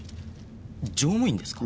乗務員ですか？